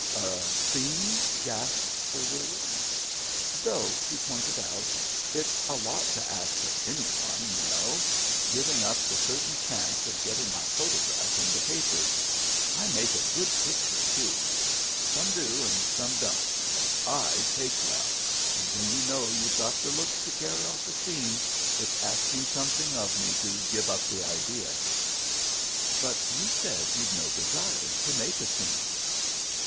"A scene," gasped Sir William. "Though," she pointed out, "it's a lot to ask of any one, you know. Giving up the certain chance of getting my photograph in the papers. I make a good picture, too. Some do and some don't, but I take well and when you know you've got the looks to carry off a scene, it's asking something of me to give up the idea." "But you said you'd no desire to make a scene."